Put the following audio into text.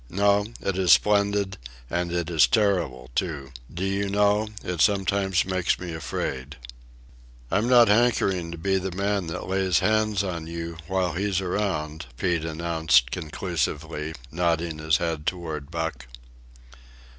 "No, it is splendid, and it is terrible, too. Do you know, it sometimes makes me afraid." "I'm not hankering to be the man that lays hands on you while he's around," Pete announced conclusively, nodding his head toward Buck.